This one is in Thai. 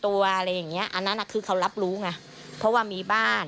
ได้นำเรื่องราวมาแชร์ในโลกโซเชียลจึงเกิดเป็นประเด็นอีกครั้ง